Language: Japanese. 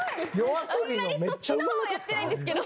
あんまりそっちの方はやってないんですけど。